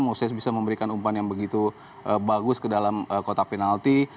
moses bisa memberikan umpan yang begitu bagus ke dalam kotak penalti